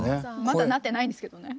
まだなってないんですけどね。